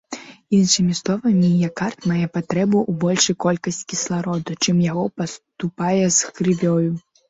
Іншымі словамі, міякард мае патрэбу ў большай колькасці кіслароду, чым яго паступае з крывёю.